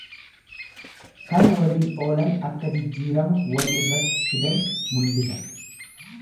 Kan waliin oolan akka jijjiirama wal irratti fidan mullisa.